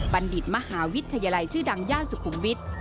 ดิตมหาวิทยาลัยชื่อดังย่านสุขุมวิทย์